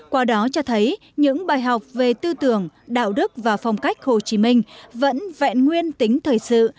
qua đó cho thấy những bài học về tư tưởng đạo đức và phong cách hồ chí minh vẫn vẹn nguyên tính thời sự